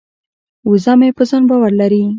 وزه مې په ځان باور لري.